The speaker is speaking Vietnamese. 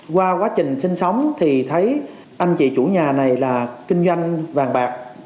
qua quá trình sinh sống thì thấy anh chị chủ nhà này là kinh doanh vàng bạc